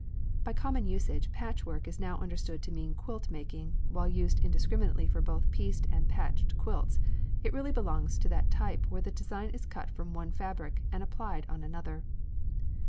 By common usage patchwork is now understood to mean quilt making, and while used indiscriminately for both pieced and patched quilts, it really belongs to that type where the design is cut from one fabric and applied upon another.